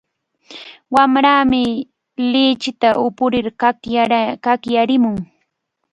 Wamrami lichinta upurir kakyarimun.